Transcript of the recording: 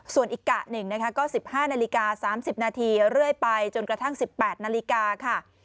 ส่วนอีกกะหนึ่งนะคะก็๑๕นาฬิกา๓๐นาทีเรื่อยไปจนกระทั่ง๑๘นาฬิกาค่ะ